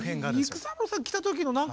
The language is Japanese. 育三郎さん来た時の何かね